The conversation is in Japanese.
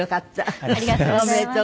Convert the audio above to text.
ありがとうございます。